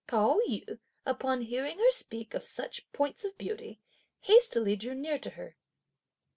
Pao yü, upon hearing her speak of such points of beauty, hastily drew near to her.